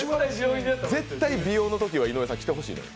絶対、美容のときは井上さん来てほしいのよ。